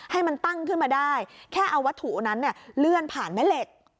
ให้มันตั้งขึ้นมาได้แค่เอาวัตถุนั้นเลื่อนผ่านแม่เหล็ก